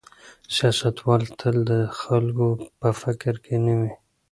سیاستوال تل د خلکو په فکر کې نه وي.